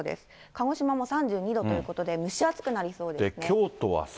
鹿児島も３２度ということで、蒸し暑くなりそうですね。